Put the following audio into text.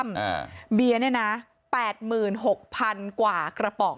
เอ่อเนี่ยนะแปดหมื่นหกพันกว่ากระป๋อง